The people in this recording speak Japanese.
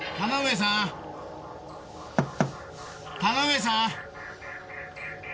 田ノ上さん？